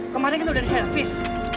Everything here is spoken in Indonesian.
kemarin kita udah di servis